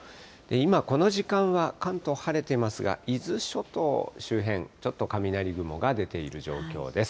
今、この時間は関東晴れてますが、伊豆諸島周辺、ちょっと雷雲が出ている状況です。